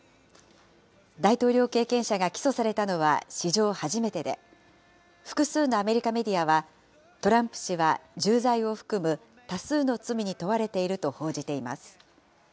大統領経験者が起訴されたのは史上初めてで、複数のアメリカメディアは、トランプ氏は重罪を含む多数の罪に問われていると報じています。